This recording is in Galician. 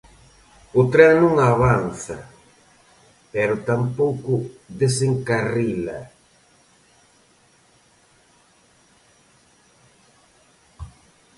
O tren non avanza, pero tampouco desencarrila.